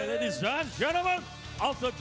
หลังจาก๓ราวน์ของเรื่องภาพกัน